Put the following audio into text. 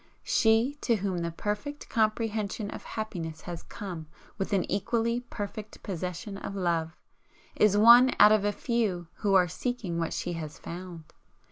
She to whom the perfect comprehension of happiness has come with an equally perfect possession of love, is one out of a few who are seeking what she has found.